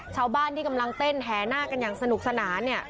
ชาวบ้านที่กำลังเต้นแห่หน้ากันอย่างสนุกสนานเนี่ย